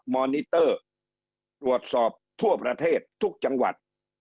อนิเตอร์ตรวจสอบทั่วประเทศทุกจังหวัด